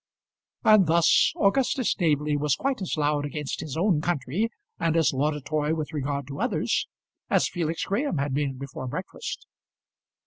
And thus Augustus Staveley was quite as loud against his own country, and as laudatory with regard to others, as Felix Graham had been before breakfast.